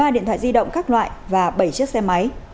một mươi ba điện thoại di động các loại và bảy chiếc xe máy